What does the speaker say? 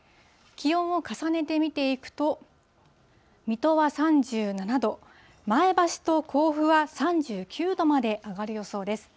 気温を重ねて見ていくと、水戸は３７度、前橋と甲府は３９度まで上がる予想です。